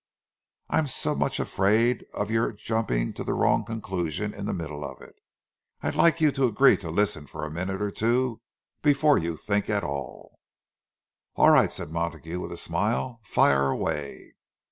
I'm so much afraid of your jumping to a wrong conclusion in the middle of it—I'd like you to agree to listen for a minute or two before you think at all." "All right," said Montague, with a smile. "Fire away."